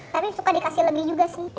tapi suka dikasih lebih juga sih